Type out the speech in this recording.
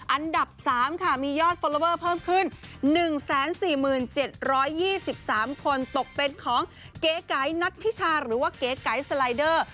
อันดับ๓ค่ะมียอดฟอลลอเวอร์เพิ่มขึ้น๑๔๗๒๓คนตกเป็นของเก๋ไก๊นัทธิชาหรือว่าเก๋ไก๋สไลเดอร์